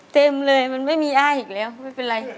เต็มเลยมันไม่มีอ้ายอีกแล้วไม่เป็นไร